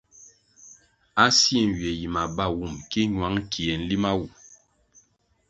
A sie nywie yi mabawum ki ñwang kie nlima wu.